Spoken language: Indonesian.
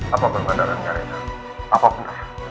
apa perbadanannya rena apapun